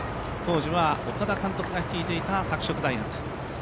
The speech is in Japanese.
当時は岡田監督が率いていた拓殖大学。